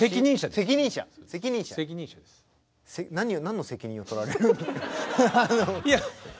何の責任を取られるのか。